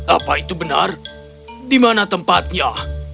apa itu benar di mana tempatnya